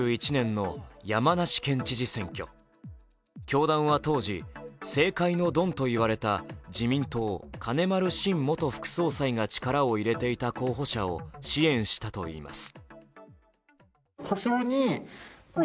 教団は当時、政界のドンといわれた自民党・金丸信元副総裁が力を入れていた候補者を支援したといいます。